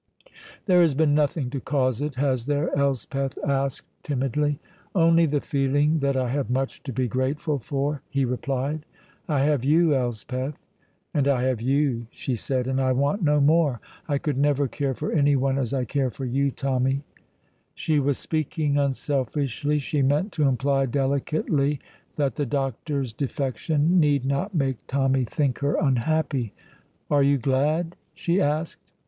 "There has been nothing to cause it, has there?" Elspeth asked timidly. "Only the feeling that I have much to be grateful for," he replied. "I have you, Elspeth." "And I have you," she said, "and I want no more. I could never care for anyone as I care for you, Tommy." She was speaking unselfishly; she meant to imply delicately that the doctor's defection need not make Tommy think her unhappy. "Are you glad?" she asked.